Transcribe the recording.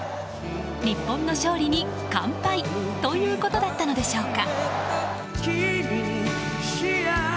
日本の勝利に乾杯ということだったのでしょうか。